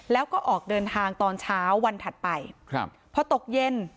แล้วก็ออกเดินทางตอนเช้าวันถัดไปครับพอตกเย็น